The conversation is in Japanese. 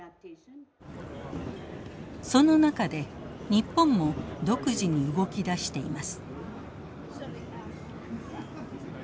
その中で日本も独自に動き出しています。